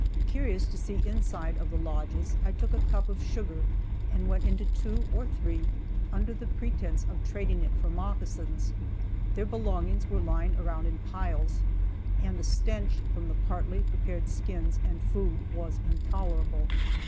Curious to see inside of the lodges, I took a cup of sugar and went into two or three under pretence of trading it for moccasins. Their belongings were lying around in piles, and the stench from the partly prepared skins and food was intolerable.